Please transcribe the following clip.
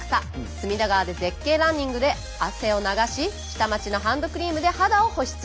隅田川で絶景ランニングで汗を流し下町のハンドクリームで肌を保湿。